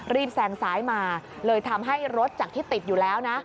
แซงซ้ายมาเลยทำให้รถจากที่ติดอยู่แล้วนะ